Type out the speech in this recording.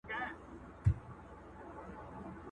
ژوند شېبه غوندي تیریږي عمر سم لکه حباب دی!!!!!